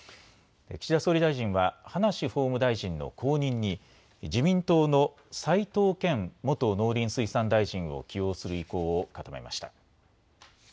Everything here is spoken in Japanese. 岸田総理大臣は、葉梨法務大臣の後任に、自民党の齋藤健元農林水産大臣を起用する意向を固めました。